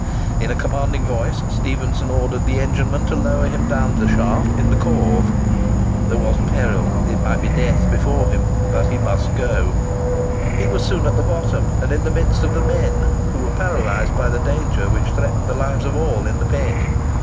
In a commanding voice Stephenson ordered the engineman to lower him down the shaft in the corve. There was peril, it might be death, before him, but he must go. He was soon at the bottom, and in the midst of the men, who were paralysed by the danger which threatened the lives of all in the pit.